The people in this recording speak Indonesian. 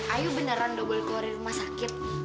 ayo beneran double keluar rumah sakit